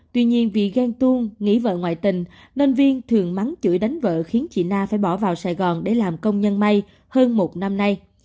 tuy nhiên vì ghen tuông nghĩ vợ ngoại tình nên viên thường mắng chửi đánh vợ khiến chị na phải bỏ vào sài gòn để làm công nhân may hơn một năm nay